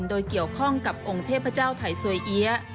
โดยเกี่ยวข้องกับองค์เทพเจ้าไทยสวยเอี๊ยะ